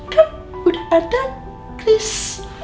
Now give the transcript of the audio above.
kau udah ada kris